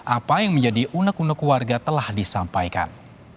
apa yang menjadi unek unek warga telah disampaikan